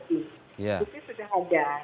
bukti sudah ada